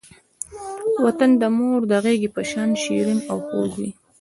وطن د مور د غېږې په شان شیرین او خوږ وی.